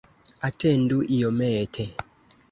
Atendu iomete.